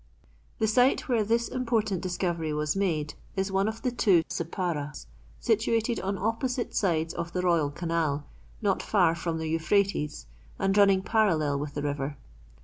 The site where this important discovery was made is one of the two Sipparas, situated on opposite sides of the royal canal, not far from the Euphrates, and running parallel with the river.